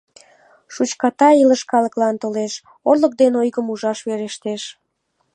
Шучката илыш калыклан толеш: орлык ден ойгым ужаш верештеш.